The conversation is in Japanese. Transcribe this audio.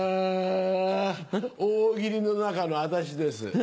大喜利の中の私です。